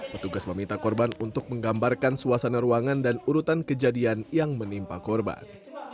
petugas meminta korban untuk menggambarkan suasana ruangan dan urutan kejadian yang menimpa korban